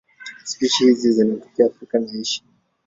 Spishi hizi zinatokea Afrika na Asia.